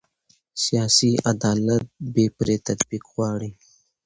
سیاسي عدالت بې پرې تطبیق غواړي